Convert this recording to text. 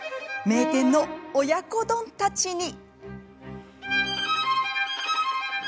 名店の親子丼たちに。